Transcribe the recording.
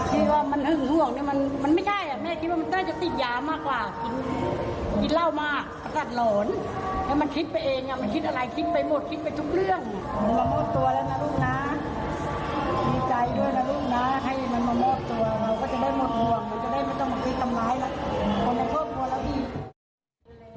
จะได้ไม่ต้องมีตำร้ายแล้วคนในครอบครัวแล้วอีก